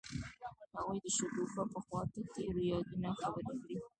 هغوی د شګوفه په خوا کې تیرو یادونو خبرې کړې.